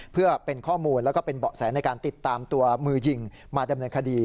เพื่อเป็นข้อมูลแล้วก็เป็นเบาะแสในการติดตามตัวมือยิงมาดำเนินคดี